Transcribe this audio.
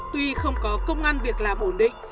tuy không có công an việc làm ổn định